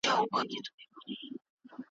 د سکندر لېچي وې ماتي ,